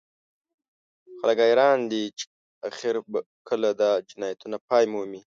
خلک حیران دي چې اخر کله به دا جنایتونه پای مومي